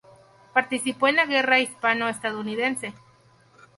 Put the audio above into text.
Participó en la Guerra Hispano-Estadounidense.